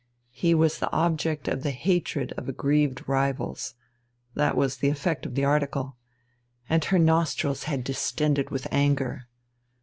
He was the object of the hatred of aggrieved rivals that was the effect of the article. And her nostrils had distended with anger.